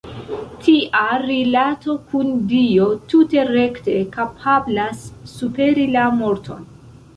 Tia rilato kun Dio tute rekte kapablas superi la morton.